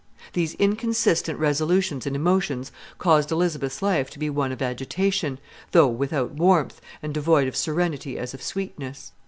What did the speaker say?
These inconsistent resolutions and emotions caused Elizabeth's life to be one of agitation, though without warmth, and devoid of serenity as of sweetness.